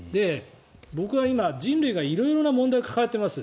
僕は今、人類が色々な問題抱えています。